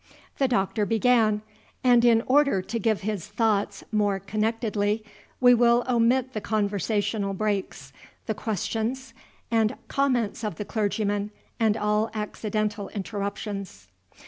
The Doctor began; and in order to give his thoughts more connectedly, we will omit the conversational breaks, the questions and comments of the clergyman, and all accidental interruptions.